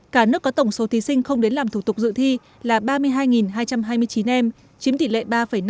cả nước có tổng số thí sinh không đến làm thủ tục dự thi là ba mươi hai hai trăm hai mươi chín em chiếm tỷ lệ ba năm